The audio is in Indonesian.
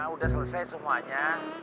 udah selesai semuanya